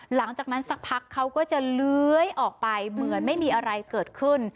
หลังจากนั้นสักพักเขาก็จะเลื้อยออกไปเหมือนไม่มีอะไรเกิดขึ้น